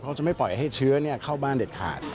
เขาจะไม่ปล่อยให้เชื้อเข้าบ้านเด็ดขาด